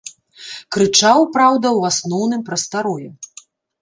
Крычаў, праўда, у асноўным пра старое.